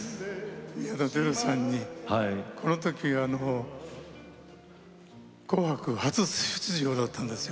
宮田輝さんに、この時「紅白」初出場だったんですよ。